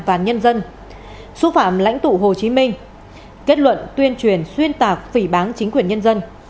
và nhân dân xúc phạm lãnh tụ hồ chí minh kết luận tuyên truyền xuyên tạc phỉ bán chính quyền nhân dân